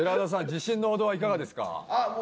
自信のほどはいかがですか？